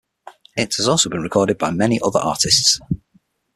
It has also been recorded by many other artists.